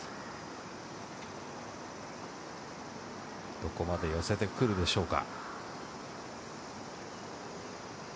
どこまで寄せてくるでしょうか？